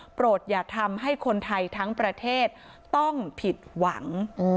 อย่าทำให้คนไทยทั้งประเทศต้องผิดหวัง